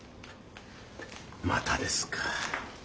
またですか。